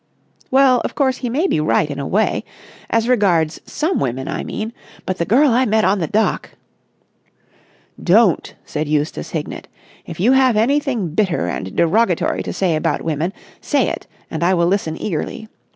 '" "Well, of course, he may be right in a way. As regards some women, I mean. But the girl I met on the dock...." "Don't!" said Eustace Hignett. "If you have anything bitter and derogatory to say about women, say it and I will listen eagerly.